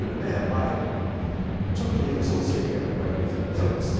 前に水につけておけばいいんですよね